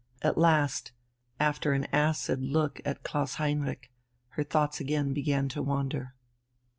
At last, after an acid look at Klaus Heinrich, her thoughts again began to wander.